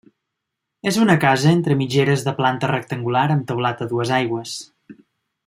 És una casa entre mitgeres de planta rectangular amb teulat a dues aigües.